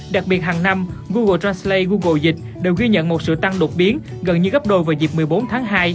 đặc biệt hàng năm google translay google dịch đều ghi nhận một sự tăng đột biến gần như gấp đôi vào dịp một mươi bốn tháng hai